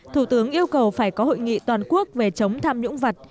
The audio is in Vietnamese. thủ tướng yêu cầu phải có hội nghị toàn quốc về chống tham nhũng vật